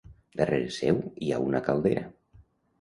Darrere seu hi ha una caldera.